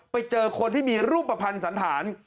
ไปเจอคนที่มีรูปภัณฑ์สันธาร